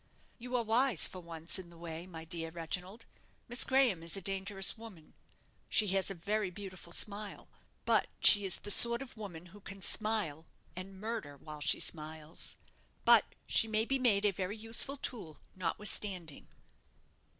"You are wise, for once in the way, my dear Reginald. Miss Graham is a dangerous woman. She has a very beautiful smile; but she is the sort of woman who can smile and murder while she smiles. But she may be made a very useful tool, notwithstanding."